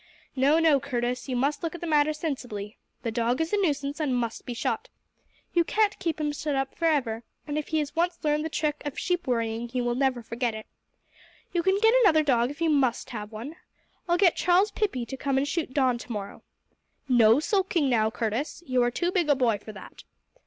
"No, no, Curtis, you must look at the matter sensibly. The dog is a nuisance and must be shot. You can't keep him shut up forever, and, if he has once learned the trick of sheep worrying, he will never forget it. You can get another dog if you must have one. I'll get Charles Pippey to come and shoot Don tomorrow. No sulking now, Curtis. You are too big a boy for that.